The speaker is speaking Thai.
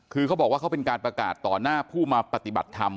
คือเขาบอกว่าเขาเป็นการประกาศต่อหน้าผู้มาปฏิบัติธรรม